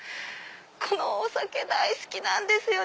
このお酒大好きなんですよ